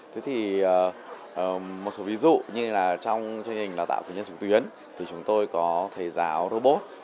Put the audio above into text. thế thì một số ví dụ như là trong chương trình đào tạo của nhân chứng tuyến thì chúng tôi có thầy giáo robot